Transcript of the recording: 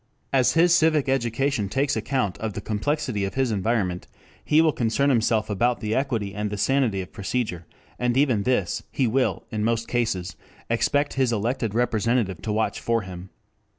As his civic education takes account of the complexity of his environment, he will concern himself about the equity and the sanity of procedure, and even this he will in most cases expect his elected representative to watch for him.